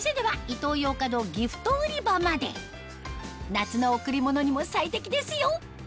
夏の贈り物にも最適ですよ